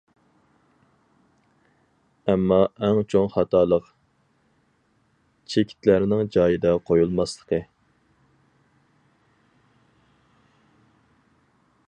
ئەمما ئەڭ چوڭ خاتالىق، چېكىتلەرنىڭ جايىدا قويۇلماسلىقى.